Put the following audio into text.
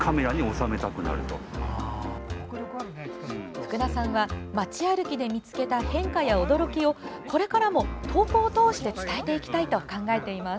福田さんは街歩きで見つけた変化や驚きをこれからも投稿を通して伝えていきたいと考えています。